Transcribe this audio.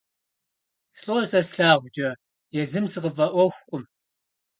Слӏо сэ слъагъукӏэ, езым сыкъыфӏэӏуэхукъым…